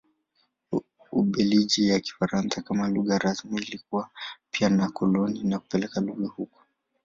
Ubelgiji yenye Kifaransa kama lugha rasmi ilikuwa pia na koloni na kupeleka lugha huko.